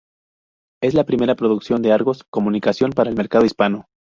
Es la primera producción de Argos Comunicación para el mercado hispano.